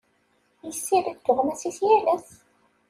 Yessirid tuɣmas-is yal ass.